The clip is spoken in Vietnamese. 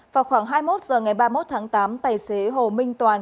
vào khoảng hai mươi một h ngày ba mươi một tháng tám tài xế hồ minh toàn